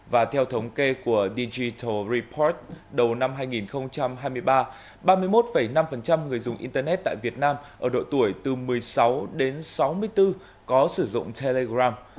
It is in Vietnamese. và theo thống kê của digital report đầu năm hai nghìn hai mươi ba ba mươi một năm người dùng internet tại việt nam ở độ tuổi từ một mươi sáu đến sáu mươi bốn có sử dụng telegram